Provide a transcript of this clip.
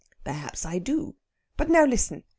"Perhaps I do. But now listen.